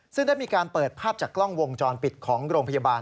ซึ่งได้มีการเปิดภาพจากกล้องวงจรปิดของโรงพยาบาล